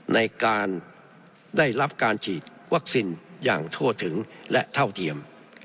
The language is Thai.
ในการได้รับการฉีดวัคซีนอย่างทั่วถึงและเท่าเทียม